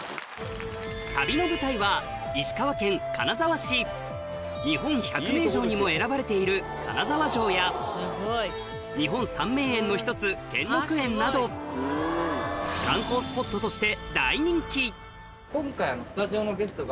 旅の舞台は日本１００名城にも選ばれている金沢城や日本三名園の１つ兼六園などさて。